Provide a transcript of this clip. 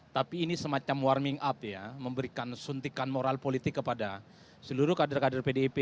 tapi ini semacam warming up ya memberikan suntikan moral politik kepada seluruh kader kader pdip